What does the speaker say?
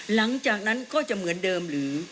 หลังจากนั้นก็จะเหมือนเดิมหรือ